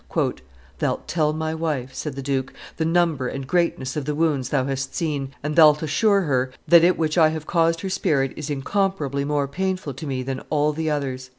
"Thou'lt tell my wife," said the duke, "the number and greatness of the wounds thou hast seen, and thou'lt assure her that it which I have caused her spirit is incomparably more painful, to me than all the others."